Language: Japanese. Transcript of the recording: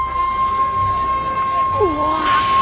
うわ。